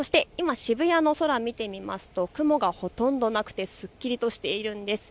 そして今、渋谷の空、見てみますと雲がほとんどなくてすっきりとしているんです。